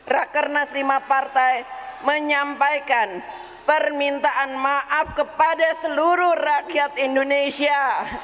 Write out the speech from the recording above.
rakernas lima partai menyampaikan permintaan maaf kepada seluruh rakyat indonesia